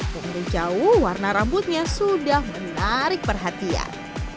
mungkin jauh warna rambutnya sudah menarik perhatian